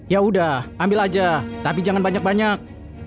yaudah ambil aja tapi jangan banyak banyak